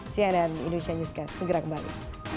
cnn indonesia newscast segera kembali